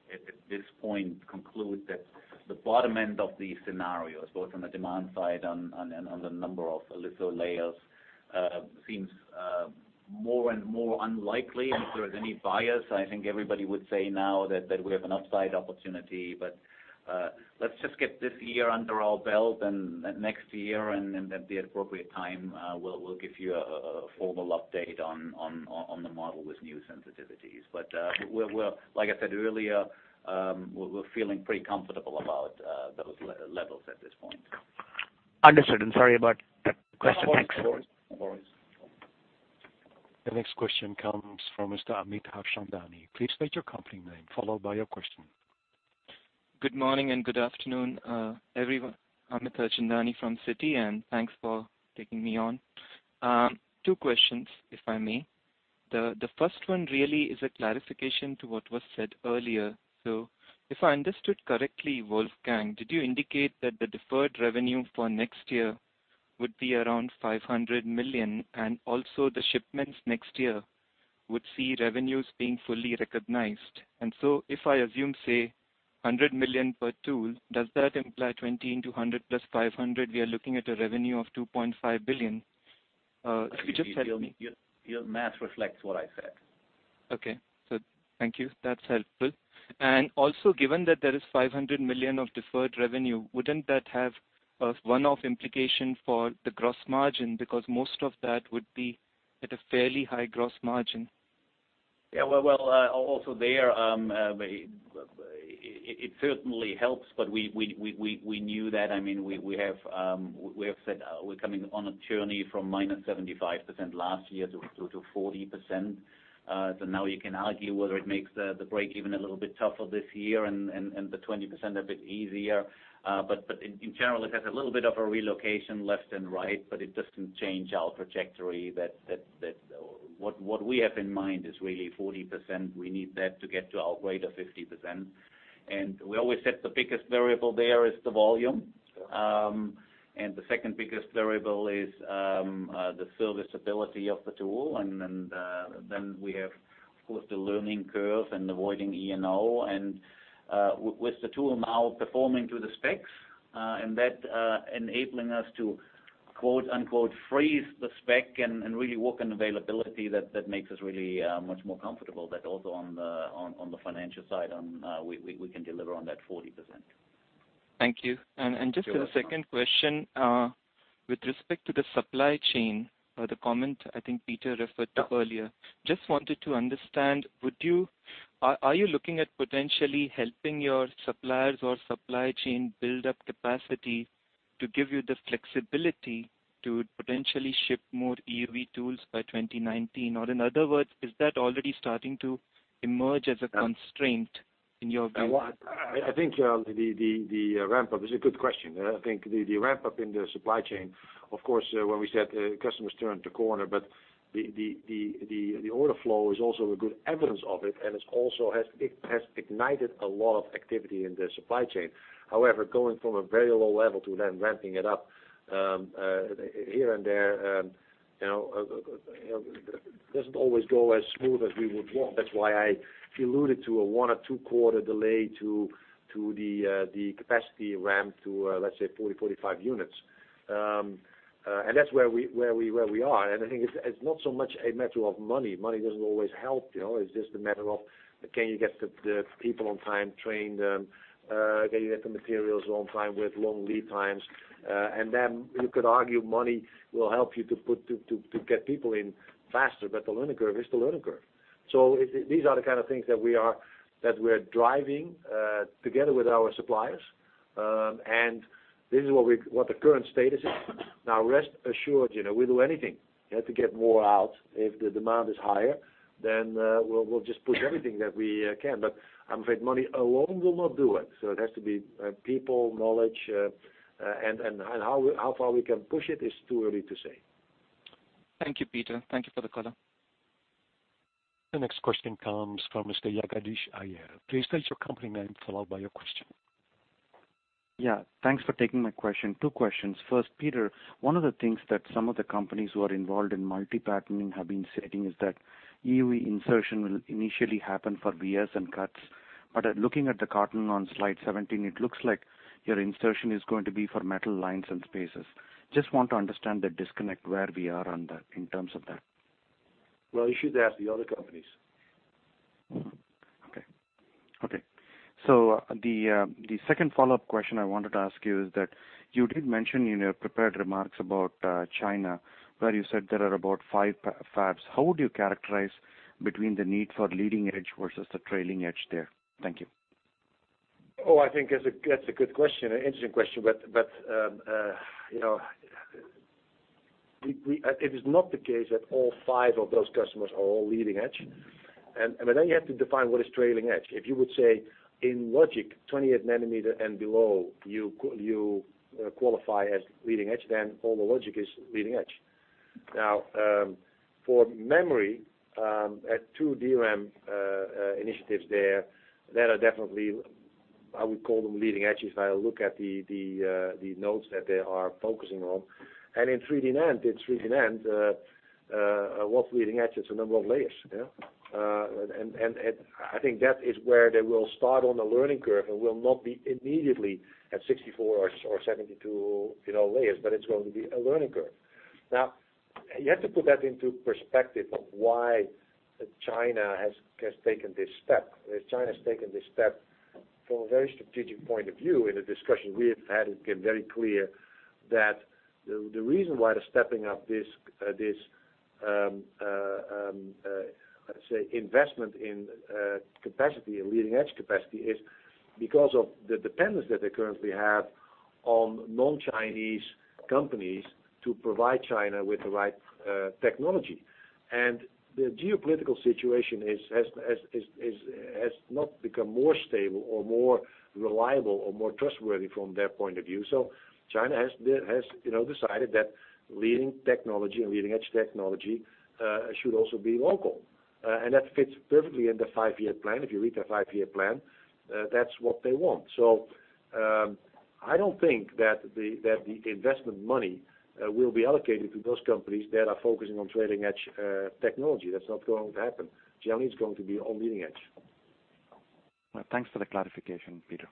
this point conclude that the bottom end of these scenarios, both on the demand side and on the number of litho layers, seems more and more unlikely. If there's any bias, I think everybody would say now that we have an upside opportunity. Let's just get this year under our belt and next year and at the appropriate time we'll give you a formal update on the model with new sensitivities. Like I said earlier, we're feeling pretty comfortable about those levels at this point.
Understood, and sorry about that question. Thanks.
No worries. No worries.
The next question comes from Mr. Amit Harchandani. Please state your company name followed by your question.
Good morning, and good afternoon, everyone. I'm Amit Harchandani from Citi, and thanks for taking me on. Two questions, if I may. The first one really is a clarification to what was said earlier. If I understood correctly, Wolfgang, did you indicate that the deferred revenue for next year would be around 500 million, and also the shipments next year would see revenues being fully recognized? If I assume, say, 100 million per tool, does that imply 20 into 100 plus 500, we are looking at a revenue of 2.5 billion? Could you just tell me-
Your math reflects what I said.
Okay. Thank you. That's helpful. Also, given that there is 500 million of deferred revenue, wouldn't that have a one-off implication for the gross margin? Because most of that would be at a fairly high gross margin.
Yeah. Well, also there, it certainly helps, but we knew that. I mean, we have said, we're coming on a journey from minus 75% last year to 40%. Now you can argue whether it makes the break-even a little bit tougher this year and the 20% a bit easier. In general, it has a little bit of a relocation left and right, but it doesn't change our trajectory. What we have in mind is really 40%. We need that to get to our greater 50%. We always said the biggest variable there is the volume. The second biggest variable is the serviceability of the tool. We have, of course, the learning curve and avoiding E&O. With the tool now performing to the specs, and that enabling us to, quote-unquote, "freeze the spec" and really work on availability, that makes us really much more comfortable that also on the financial side, we can deliver on that 40%.
Thank you.
You're welcome.
Just the second question, with respect to the supply chain or the comment I think Peter referred to earlier, just wanted to understand, are you looking at potentially helping your suppliers or supply chain build up capacity to give you the flexibility to potentially ship more EUV tools by 2019? In other words, is that already starting to emerge as a constraint in your view?
Well, I think the ramp up. It's a good question. I think the order flow is also a good evidence of it, and it also has ignited a lot of activity in the supply chain. However, going from a very low level to then ramping it up, here and there, you know, it doesn't always go as smooth as we would want. That's why I alluded to a one- or two-quarter delay to the capacity ramp to, let's say, 40-45 units. That's where we are. I think it's not so much a matter of money. Money doesn't always help, you know. It's just a matter of, can you get the people on time, train them, can you get the materials on time with long lead times? You could argue money will help you to put to get people in faster, but the learning curve is the learning curve. These are the kind of things that we are, that we're driving together with our suppliers. This is what the current status is. Now, rest assured, you know, we'll do anything, you know, to get more out. If the demand is higher, then we'll just push everything that we can. I'm afraid money alone will not do it. It has to be people, knowledge, and how far we can push it is too early to say.
Thank you, Peter. Thank you for the color.
The next question comes from Mr. Jagadish Iyer. Please state your company name, followed by your question.
Yeah, thanks for taking my question. Two questions. First, Peter, one of the things that some of the companies who are involved in multi-patterning have been stating is that EUV insertion will initially happen for vias and cuts. Looking at the cartoon on slide 17, it looks like your insertion is going to be for metal lines and spaces. Just want to understand the disconnect where we are on that, in terms of that.
Well, you should ask the other companies.
Okay. Okay. The second follow-up question I wanted to ask you is that you did mention in your prepared remarks about China, where you said there are about five fabs. How would you characterize between the need for leading edge versus the trailing edge there? Thank you.
Oh, I think that's a good question, an interesting question. You know, we. It is not the case that all five of those customers are all leading edge. You have to define what is trailing edge. If you would say in logic, 28 nanometer and below, you qualify as leading edge, then all the logic is leading edge. For memory, at two DRAM initiatives there are definitely, I would call them leading edge if I look at the nodes that they are focusing on. In 3D NAND, what's leading edge is the number of layers, yeah? I think that is where they will start on the learning curve and will not be immediately at 64 or 72, you know, layers, but it's going to be a learning curve. Now, you have to put that into perspective of why China has taken this step. China's taken this step from a very strategic point of view. In the discussion we have had, it became very clear that the reason why they're stepping up this, let's say, investment in capacity, in leading edge capacity is because of the dependence that they currently have on non-Chinese companies to provide China with the right technology. The geopolitical situation has not become more stable or more reliable or more trustworthy from their point of view. China has, you know, decided that leading technology and leading-edge technology should also be local. That fits perfectly in the five-year plan. If you read their five-year plan, that's what they want. I don't think that the investment money will be allocated to those companies that are focusing on trailing edge technology. That's not going to happen. It only is going to be on leading edge.
Well, thanks for the clarification, Peter.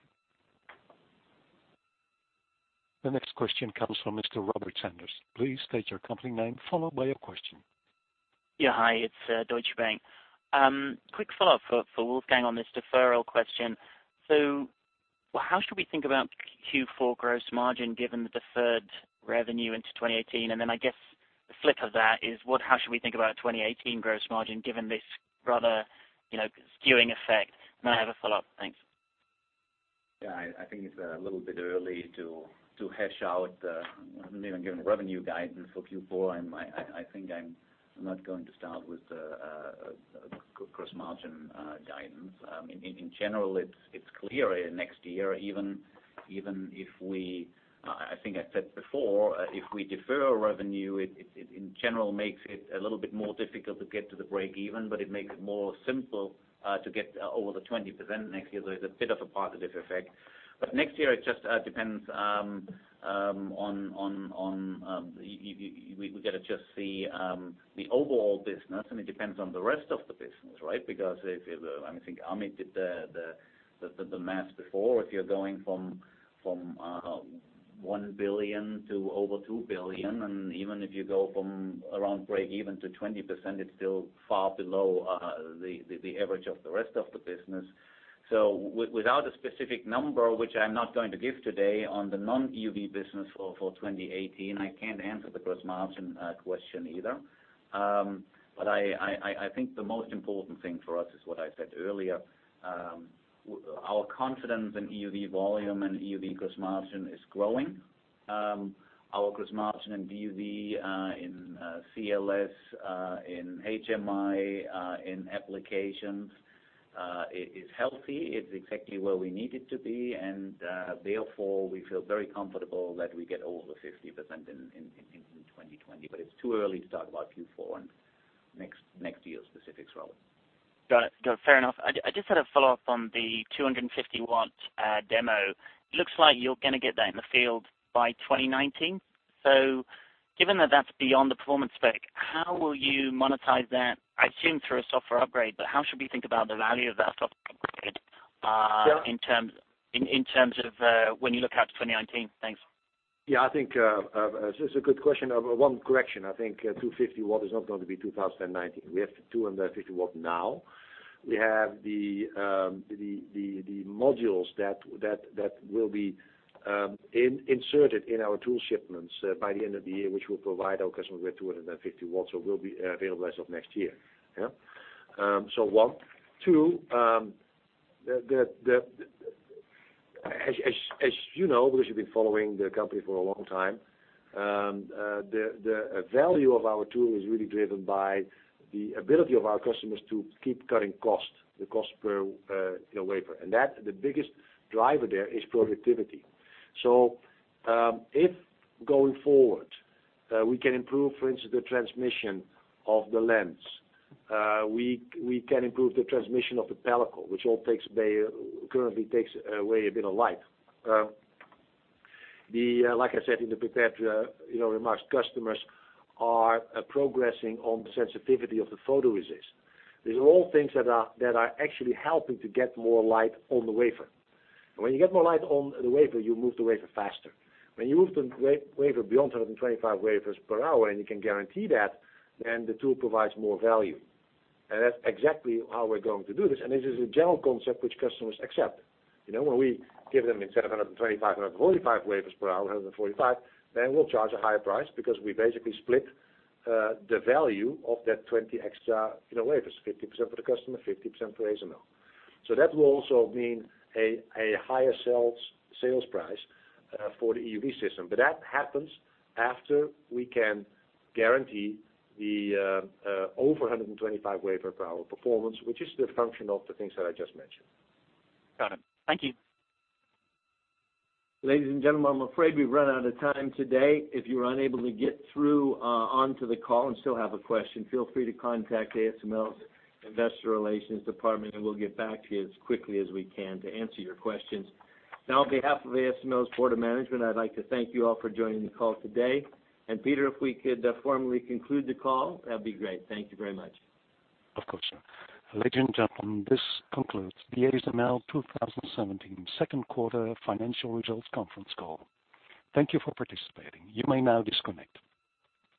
The next question comes from Mr. Robert Sanders. Please state your company name followed by your question.
Yeah, hi. It's Deutsche Bank. Quick follow-up for Wolfgang on this deferral question. How should we think about Q4 gross margin given the deferred revenue into 2018? I guess the flip of that is what? How should we think about 2018 gross margin given this rather, you know, skewing effect? I have a follow-up. Thanks.
Yeah, I think it's a little bit early to hash out, I mean, given revenue guidance for Q4, and I think I'm not going to start with gross margin guidance. In general, it's clear next year, even if we I think I said before, if we defer our revenue, it in general makes it a little bit more difficult to get to the break even, but it makes it more simple to get over the 20% next year. There's a bit of a positive effect. Next year it just depends on the. We gotta just see the overall business, and it depends on the rest of the business, right? If I think Amit did the math before. If you're going from 1 billion to over 2 billion, and even if you go from around break even to 20%, it's still far below the average of the rest of the business. Without a specific number, which I'm not going to give today on the non-EUV business for 2018, I can't answer the gross margin question either. I think the most important thing for us is what I said earlier. Our confidence in EUV volume and EUV gross margin is growing. Our gross margin in DUV, in CLS, in HMI, in applications, it is healthy. It's exactly where we need it to be. Therefore, we feel very comfortable that we get over 50% in 2020. It's too early to talk about Q4 and next year specifics, Robert.
Got it. Got it. Fair enough. I just had a follow-up on the 250 W demo. Looks like you're gonna get that in the field by 2019. Given that that's beyond the performance spec, how will you monetize that, I assume, through a software upgrade? How should we think about the value of that software upgrade?
Yeah.
In terms of when you look out to 2019? Thanks.
Yeah, I think this is a good question. One correction. I think 250 W is not going to be 2019. We have 250 W now. We have the modules that will be inserted in our tool shipments by the end of the year, which will provide our customer with 250 W. So will be available as of next year. So one. Two, the value of our tool is really driven by the ability of our customers to keep cutting costs, the cost per, you know, wafer. That the biggest driver there is productivity. if going forward, we can improve, for instance, the transmission of the lens, we can improve the transmission of the pellicle, which all takes way currently takes away a bit of light. Like I said in the prepared, you know, remarks, customers are progressing on the sensitivity of the photoresist. These are all things that are actually helping to get more light on the wafer. when you get more light on the wafer, you move the wafer faster. When you move the wafer beyond 125 wafers per hour, and you can guarantee that, then the tool provides more value. that's exactly how we're going to do this. this is a general concept which customers accept. You know, when we give them instead of 125, 145 wafers per hour, 145, then we'll charge a higher price because we basically split the value of that 20 extra, you know, wafers. 50% for the customer, 50% for ASML. That will also mean a higher sales price for the EUV system. That happens after we can guarantee the over 125 wafer per hour performance, which is the function of the things that I just mentioned.
Got it. Thank you.
Ladies and gentlemen, I'm afraid we've run out of time today. If you were unable to get through onto the call and still have a question, feel free to contact ASML's Investor Relations Department, and we'll get back to you as quickly as we can to answer your questions. Now, on behalf of ASML's Board of Management, I'd like to thank you all for joining the call today. Peter, if we could formally conclude the call, that'd be great. Thank you very much.
Of course, sir. Ladies and gentlemen, this concludes the ASML 2017 second quarter financial results conference call. Thank you for participating. You may now disconnect.